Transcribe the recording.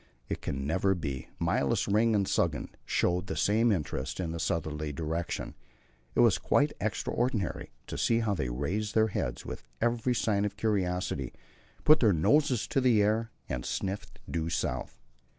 It can never be " Mylius, Ring, and Suggen, showed the same interest in the southerly direction; it was quite extraordinary to see how they raised their heads, with every sign of curiosity, put their noses in the air, and sniffed due south.